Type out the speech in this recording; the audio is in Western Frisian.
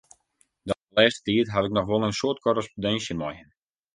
De lêste tiid haw ik noch wol in soad korrespondinsje mei him.